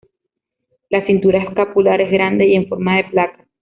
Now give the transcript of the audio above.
La cintura escapular es grande y en forma de placas.